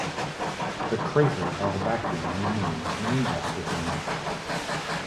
The crater Al-Bakri on the Moon is named after him.